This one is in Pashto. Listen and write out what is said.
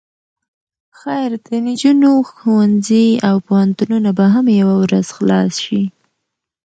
خير د نجونو ښوونځي او پوهنتونونه به هم يوه ورځ خلاص شي.